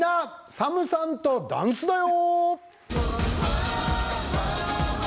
ＳＡＭとダンスだよ」。